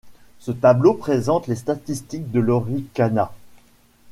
Ce tableau présente les statistiques de Lorik Cana.